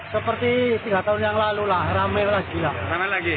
seperti tiga tahun yang lalu lah ramai lagi